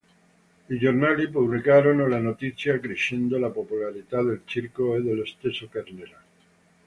I giornali pubblicarono la notizia accrescendo la popolarità del circo e dello stesso Carnera.